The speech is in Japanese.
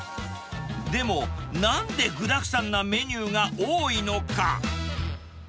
でも、なんで具だくさんなメニューが多いのか。